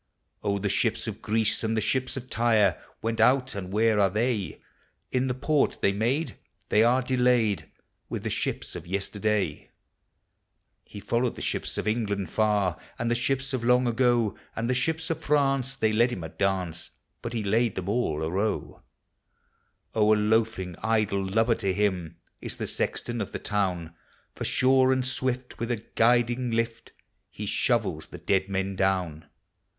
Oh, the ships of Greece and the ships of Tyre Went out, and where are the.\ ? In the port they made, they are delayed With the shi{>s of yesterday. He followed the ships of England far. As the ships of long ago; And the ships of Franc.. tlu N led hini a dance, lint he laid them all arow. Oh, a loafing, idle lubber to him Is the sexton of the town ; For sure and swift, will) a guiding lift, Ho shovels the dead men down.